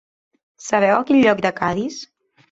Sabeu a quin lloc de Cadis?